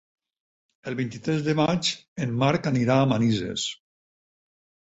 El vint-i-tres de maig en Marc irà a Manises.